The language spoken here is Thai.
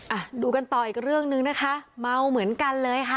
อ่ะดูกันต่ออีกเรื่องหนึ่งนะคะเมาเหมือนกันเลยค่ะ